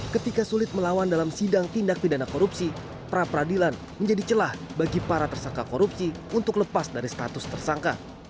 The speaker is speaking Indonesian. ketika sulit melawan dalam sidang tindak pidana korupsi pra peradilan menjadi celah bagi para tersangka korupsi untuk lepas dari status tersangka